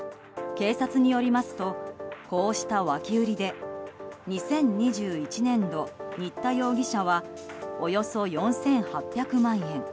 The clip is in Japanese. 警察によりますとこうした脇売りで２０２１年度、新田容疑者はおよそ４８００万円。